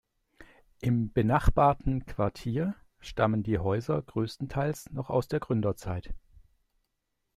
Im benachbarten Quartier stammen die Häuser größtenteils noch aus der Gründerzeit.